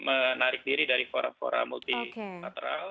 menarik diri dari fora fora multilateral